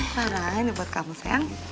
salah ini buat kamu sayang